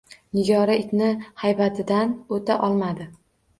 Nigora itni xaybatidan oʻta olmadi.